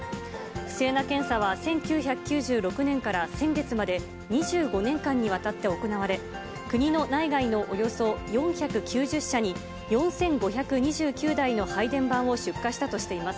不正な検査は１９９６年から先月まで、２５年間にわたって行われ、国の内外のおよそ４９０社に４５２９台の配電盤を出荷したとしています。